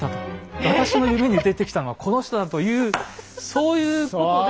私の夢に出てきたのはこの人だというそういうことで。